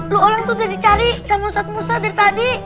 lu orang tuh udah dicari sama ustadz ustadz dari tadi